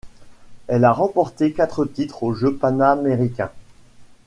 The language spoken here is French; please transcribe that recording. Elle a remporté quatre titres aux Jeux panaméricains.